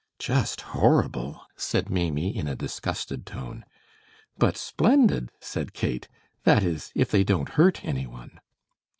"Just horrible!" said Maimie, in a disgusted tone. "But splendid," said Kate; "that is, if they don't hurt any one."